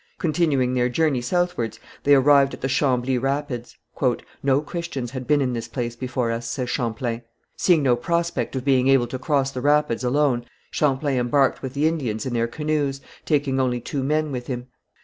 Continuing their journey southwards, they arrived at the Chambly Rapids. "No Christians had been in this place before us," says Champlain. Seeing no prospect of being able to cross the rapids alone, Champlain embarked with the Indians in their canoes, taking only two men with him.